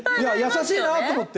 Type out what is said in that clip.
優しいなと思って。